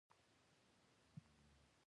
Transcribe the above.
ویده زړه شېبه نا شېبه ټکوي